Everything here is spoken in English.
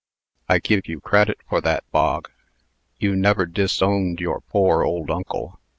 "I give you credit for that, Bog. You never disowned your poor old uncle.